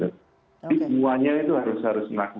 jadi semuanya itu harus harus melakukan